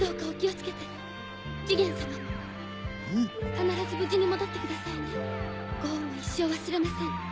必ず無事に戻ってくださいねご恩は一生忘れません。